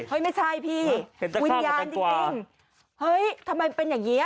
ไม่ใช่พี่วิญญาณจริงเฮ้ยทำไมเป็นอย่างนี้